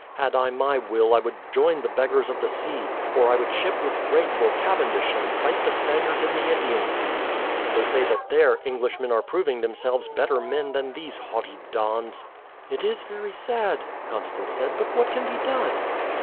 Had I my will I would join the beggars of the sea, or I would ship with Drake or Cavendish and fight the Spaniards in the Indian seas. They say that there Englishmen are proving themselves better men than these haughty dons." "It is very sad," Constance said; "but what can be done?"